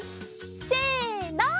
せの。